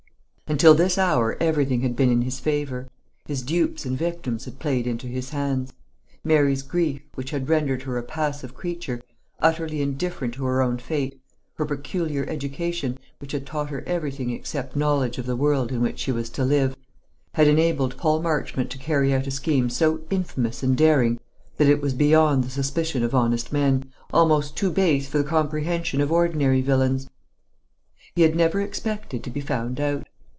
Until this hour everything had been in his favour. His dupes and victims had played into his hands. Mary's grief, which had rendered her a passive creature, utterly indifferent to her own fate, her peculiar education, which had taught her everything except knowledge of the world in which she was to live, had enabled Paul Marchmont to carry out a scheme so infamous and daring that it was beyond the suspicion of honest men, almost too base for the comprehension of ordinary villains. He had never expected to be found out.